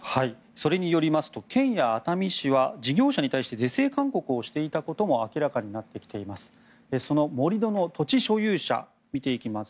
それによりますと県や熱海市は事業者に対して是正勧告をしていたことも明らかになってきています。